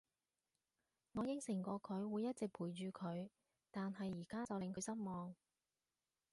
我應承過佢會一直陪住佢，但係而家就令佢失望